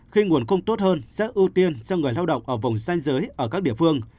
khi nguồn cung tốt hơn sẽ ưu tiên cho người lao động ở vùng xanh giới ở các địa phương